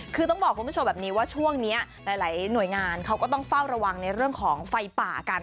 คือต้องบอกคุณผู้ชมแบบนี้ว่าช่วงนี้หลายหน่วยงานเขาก็ต้องเฝ้าระวังในเรื่องของไฟป่ากัน